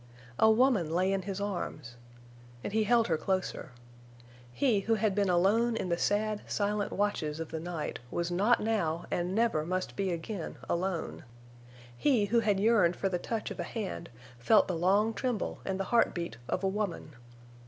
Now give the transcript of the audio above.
A woman lay in his arms! And he held her closer. He who had been alone in the sad, silent watches of the night was not now and never must be again alone. He who had yearned for the touch of a hand felt the long tremble and the heart beat of a woman.